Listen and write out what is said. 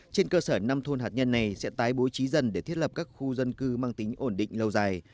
trên cơ sở năm thôn hạt nhân này sẽ tái bố trí dân để thiết lập các khu dân cư mang tính ổn định lâu dài